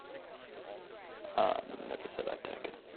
I never said I'd take it.